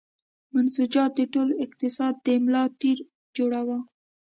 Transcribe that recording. منسوجات د ټول اقتصاد د ملا تیر جوړاوه.